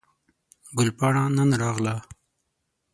ګل پاڼه نن راغله